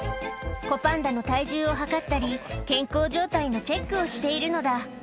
子パンダの体重を量ったり、健康状態のチェックをしているのだ。